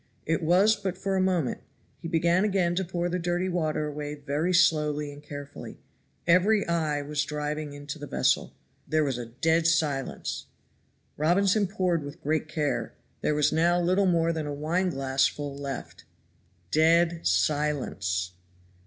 It was but for a moment; he began again to pour the dirty water away very slowly and carefully. Every eye was diving into the vessel. There was a dead silence! Robinson poured with great care. There was now little more than a wine glassful left. DEAD SILENCE!